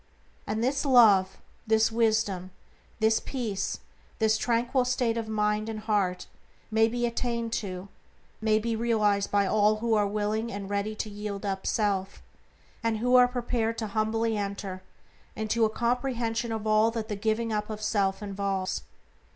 And this Love, this Wisdom, this Peace, this tranquil state of mind and heart may be attained to, may be realized by all who are willing and ready to yield up self, and who are prepared to humbly enter into a comprehension of all that the giving up of self involves.